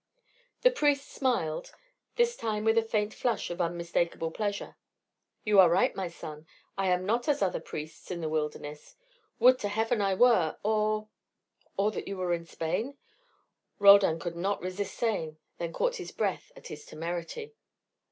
The priest smiled, this time with a faint flush of unmistakable pleasure. "You are right, my son, I am not as other priests in this wilderness. Would to Heaven I were, or " "Or that you were in Spain?" Roldan could not resist saying, then caught his breath at his temerity.